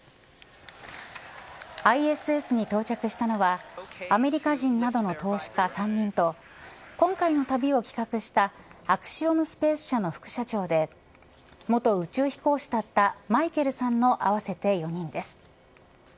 ＩＳＳに到着したのはアメリカ人などの投資家３人と今回の旅を企画したアクシオムスペース社の副社長で元宇宙飛行士だったマイケルさんの合わせて４人です。